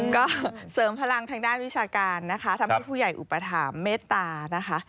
ก็เสริมพลังทางด้านวิชาการนะคะทำให้ผู้ใหญ่อุปถามเมตตานะคะ